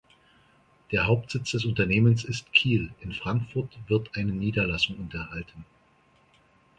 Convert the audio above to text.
Der Hauptsitz des Unternehmens ist Kiel; in Frankfurt wird eine Niederlassung unterhalten.